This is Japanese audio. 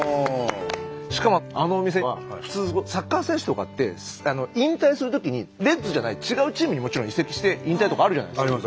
しかもあのお店普通サッカー選手とかって引退するときにレッズじゃない違うチームにもちろん移籍して引退とかあるじゃないですか。